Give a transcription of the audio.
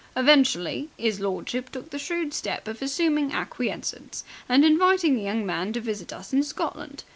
Eventually 'is lordship took the shrewd step of assuming acquiescence and inviting the young man to visit us in Scotland.